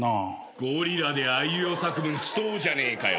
ゴリラであいうえお作文しそうじゃねえかよ。